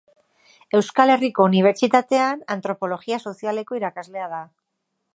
Euskal Herriko Unibertsitatean antropologia sozialeko irakaslea da.